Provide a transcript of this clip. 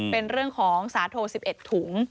เป็นเรื่องของสาโท๑๑ถุง